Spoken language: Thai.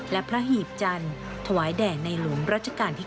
และพระหีบจันทร์ถวายแด่ในหลวงรัชกาลที่๙